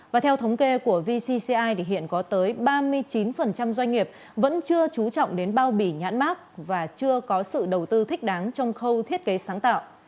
và theo thống kê của vcci thì hiện có tới ba mươi chín doanh nghiệp vẫn chưa trú trọng đến bao bì nhãn mát và chưa có sự đầu tư thích đáng trong khâu thiết kế sáng tạo